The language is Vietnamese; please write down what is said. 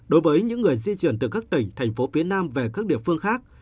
đối với những người di chuyển từ các tỉnh thành phố phía nam về các địa phương khác